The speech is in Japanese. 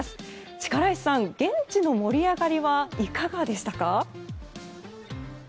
力石さん、現地の盛り上がりはいかがでしたか？